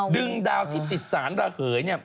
ดึงดาวที่ติดสารระเขย